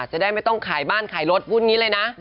จะได้ไม่ต้องขายบ้านขายรถพูดอย่างนี้เลยนะ